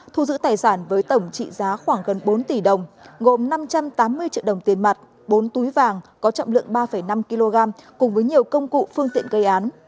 thu giữ tài sản với tổng trị giá khoảng gần bốn tỷ đồng gồm năm trăm tám mươi triệu đồng tiền mặt bốn túi vàng có trọng lượng ba năm kg cùng với nhiều công cụ phương tiện gây án